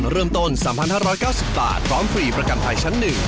ร้อนฟรีประกันภายชั้นหนึ่ง